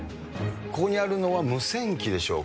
ここにあるのは無線機でしょうか。